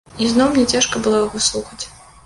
Ізноў мне цяжка было яго слухаць.